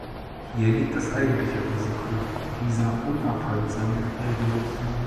Hier liegt das eigentliche Risiko dieser unaufhaltsamen Revolution.